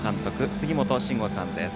杉本真吾さんです。